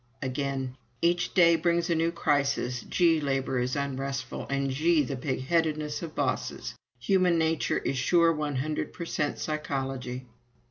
Again: "Each day brings a new crisis. Gee, labor is unrestful ... and gee, the pigheadedness of bosses! Human nature is sure one hundred per cent psychology."